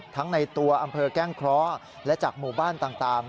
ในตัวอำเภอแก้งเคราะห์และจากหมู่บ้านต่าง